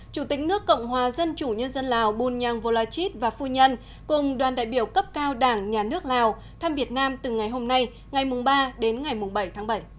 chủ tịch nước cộng hòa dân chủ nhân dân lào bunyang volachit và phu nhân cùng đoàn đại biểu cấp cao đảng nhà nước lào thăm việt nam từ ngày hôm nay ngày ba đến ngày bảy tháng bảy